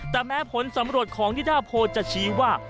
แต่แม้ผลสำรวจของนิดาโพจะชี้ว่า